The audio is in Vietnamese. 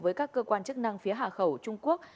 với các cơ quan chức năng phía hạ khẩu trung quốc